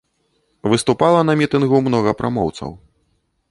Выступала на мітынгу многа прамоўцаў.